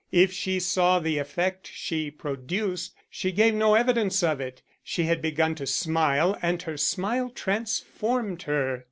If she saw the effect she produced, she gave no evidence of it. She had begun to smile and her smile transformed her.